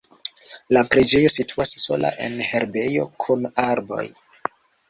La preĝejo situas sola en herbejo kun arboj.